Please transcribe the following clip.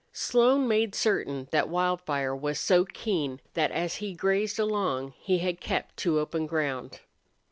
Slone made certain that Wildfire was so keen that as he grazed along he had kept to open ground.